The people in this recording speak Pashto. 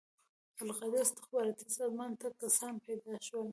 القاعده او استخباراتي سازمان ته کسان پيدا شول.